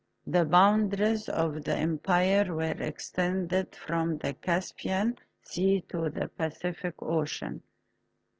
The bounda ries of the empire were extended from the Caspian Sea to the Pacific Ocean.